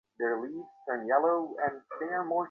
দ্বিতীয় রোগী স্বয়ং জগমোহন, তিনিও বাঁচিলেন না।